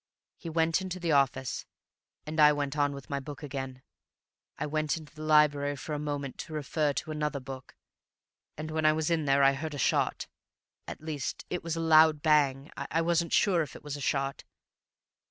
He went into the office, and I went on with my book again. I went into the library for a moment, to refer to another book, and when I was in there I heard a shot. At least, it was a loud bang, I wasn't sure if it was a shot.